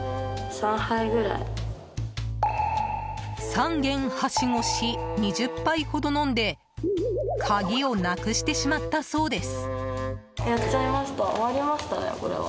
３軒はしごし２０杯ほど飲んで鍵をなくしてしまったそうです。